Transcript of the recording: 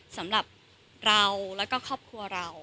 สำหรับเราแล้วก็ครอบครัวเรา